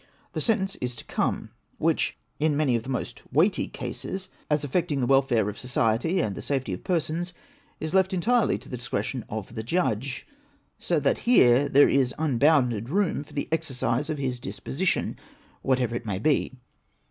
The sentence is to come, which, in many of the most weighty cases, as affecting OPINIOXS OF THE PRESS. 473 the welfare of society and the safety of persons, is left en tirely to the discretion of the Judge, so that here there is un bounded room for the exercise of his disposition, whatever it may be.